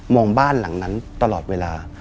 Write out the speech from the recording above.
บ้านหลังนั้นตลอดเวลา